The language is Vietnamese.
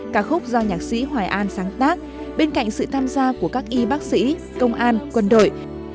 cả khúc do nhạc sĩ hoài an sáng tác bên cạnh sự tham gia của các y bác sĩ công an quân đội